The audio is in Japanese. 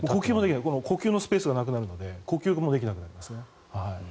呼吸のスペースがなくなるので呼吸もできなくなるんですね。